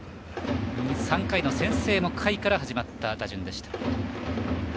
２回の先制も下位から始まった打順でした。